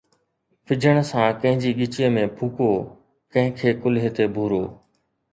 وجھڻ سان ڪنھن جي ڳچيءَ ۾ ڦوڪو، ڪنھن کي ڪلھي تي ڀورو.